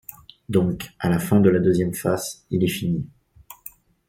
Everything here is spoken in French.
Donc, à la fin de la deuxième face, il est fini.